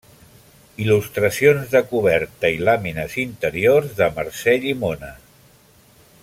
Il·lustracions de coberta i làmines interiors de Mercè Llimona.